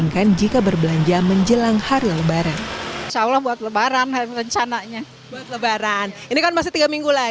nanti thr beli lagi atau gimana